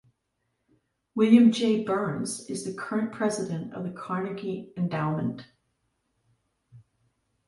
William J. Burns, is the current president of the Carnegie Endowment.